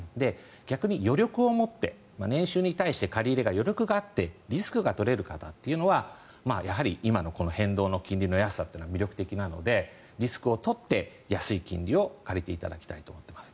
逆に余力を持って年収に対して、借り入れが余力があってリスクが取れる方というのはやはり今の変動の金利の安さは魅力的なのでリスクを取って安い金利を借りていただきたいと思っています。